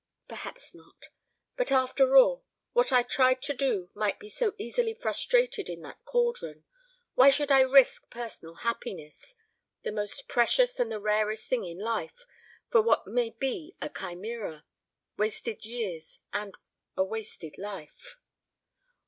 "Perhaps not. But, after all, what I tried to do might be so easily frustrated in that cauldron why should I risk personal happiness the most precious and the rarest thing in life, for what may be a chimera wasted years and a wasted life.